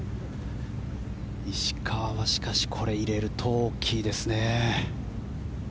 石川はしかしこれを入れると大きいですね。